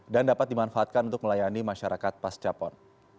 dapat dimanfaatkan untuk melayani masyarakat pasca pon